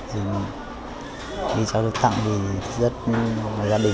thì khi cháu được tặng thì gia đình rất cảm động